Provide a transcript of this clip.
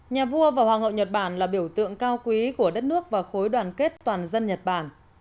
nhà vua và hoàng hậu nhật bản là biểu tượng cao quý của đất nước và khối đoàn kết toàn dân nhật bản